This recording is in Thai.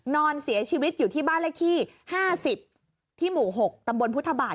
นอนเสียชีวิตอยู่ที่บ้านเลขที่๕๐ที่หมู่๖ตำบลพุทธบาท